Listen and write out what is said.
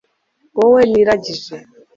wowe niragije